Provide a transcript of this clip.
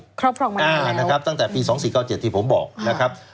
ครอบครองมานะครับตั้งแต่ปี๒๔๙๗ที่ผมบอกนะครับ